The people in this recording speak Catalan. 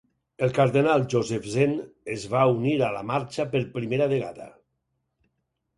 El cardenal Joseph Zen es va unir a la marxa per primera vegada.